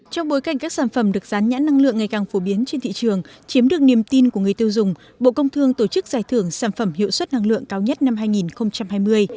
trong bối cảnh các sản phẩm được gián nhãn năng lượng ngày càng phổ biến trên thị trường chiếm được niềm tin của người tiêu dùng bộ công thương tổ chức giải thưởng sản phẩm hiệu suất năng lượng cao nhất năm hai nghìn hai mươi